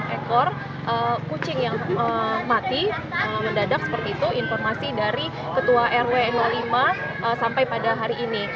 dua puluh enam ekor kucing yang mati mendadak seperti itu informasi dari ketua rw lima sampai pada hari ini